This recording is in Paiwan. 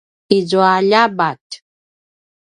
izua ljabatj